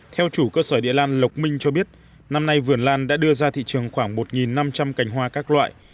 theo chủ cơ sở địa lan lộc minh cho biết năm nay vườn lan đã đưa ra thị trường khoảng một năm trăm linh cành hoa các loại